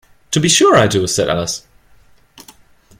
‘To be sure I do.’ said Alice.